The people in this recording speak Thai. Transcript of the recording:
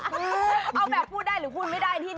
เอาแบบพูดได้หรือพูดไม่ได้ที่นี่